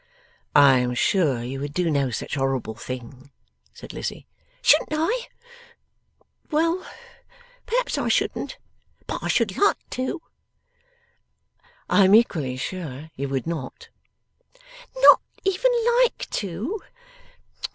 'I am sure you would do no such horrible thing,' said Lizzie. 'Shouldn't I? Well; perhaps I shouldn't. But I should like to!' 'I am equally sure you would not.' 'Not even like to?